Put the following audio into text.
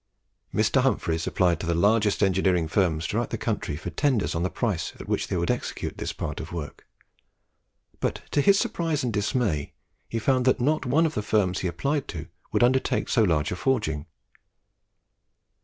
Mr. Humphries applied to the largest engineering firms throughout the country for tenders of the price at which they would execute this part of the work, but to his surprise and dismay he found that not one of the firms he applied to would undertake so large a forging.